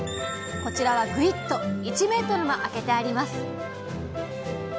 こちらはグイッと１ｍもあけてあります。